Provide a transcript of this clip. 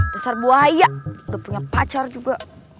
dasar buaya udah punya pacar juga